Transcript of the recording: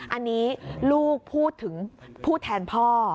อันนี้ลูกพูดถึงผู้แทนพ่อ